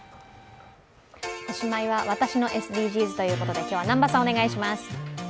おしまいは私のＳＤＧｓということで、南波さん、お願いします。